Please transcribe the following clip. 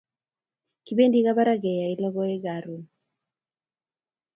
kipendi Kabarak keyal lokoek karun